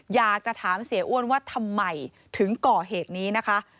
อยากจะถามเสียอ้วนว่าทำไมถึงก่อเหตุนี้นะคะ